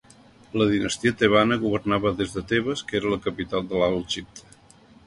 La dinastia tebana governava des de Tebes, que era la capital de l'Alt Egipte.